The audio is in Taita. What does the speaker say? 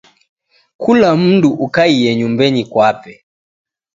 Kula mndu ukaie nyumbenyi kwape.